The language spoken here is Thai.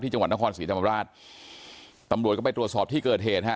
จังหวัดนครศรีธรรมราชตำรวจก็ไปตรวจสอบที่เกิดเหตุฮะ